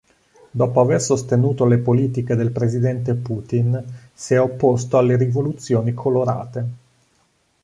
Dopo aver sostenuto le politiche del presidente Putin, si è opposto alle "rivoluzioni colorate".